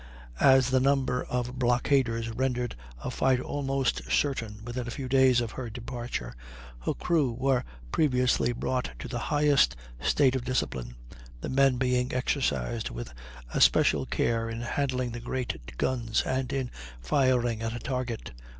As the number of blockaders rendered a fight almost certain within a few days of her departure, her crew were previously brought to the highest state of discipline, the men being exercised with especial care in handling the great guns and in firing at a target.